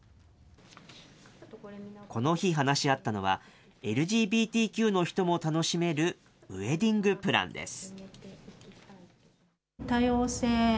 この日、話し合ったのは、ＬＧＢＴＱの人も楽しめるウエディングプランです。